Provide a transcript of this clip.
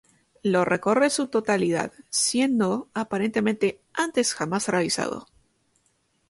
Lo recorre en su totalidad, siendo, aparentemente antes jamás realizado.